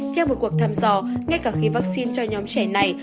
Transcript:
theo một cuộc thăm dò ngay cả khi vaccine cho nhóm trẻ này